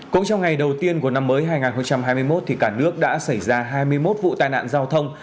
cũng trong ngày đầu tiên của năm mới hai nghìn hai mươi một cả nước đã xảy ra hai mươi một vụ tai nạn giao thông